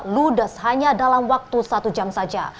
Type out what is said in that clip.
ludes hanya dalam waktu satu jam saja